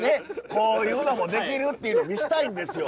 こういうのもできるっていうの見せたいんですよ。